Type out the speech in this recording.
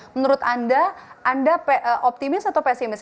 menurut anda anda optimis atau pesimis